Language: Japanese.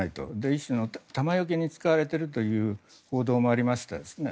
一種の弾よけに使われているという報道もありましたね。